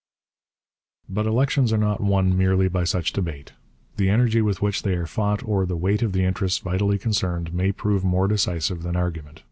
But elections are not won merely by such debate. The energy with which they are fought, or the weight of the interests vitally concerned, may prove more decisive than argument.